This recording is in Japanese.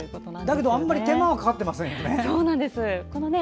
だけど、あんまり手間はかかっていませんよね。